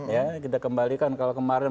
ya kita kembalikan kalau kemarin